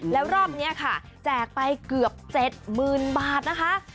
แล้วรอบนี้ค่ะแจกไปเกือบ๗๐๐๐๐บาทนะคะ